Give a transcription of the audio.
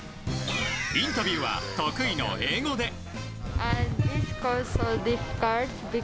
インタビューは得意の英語で。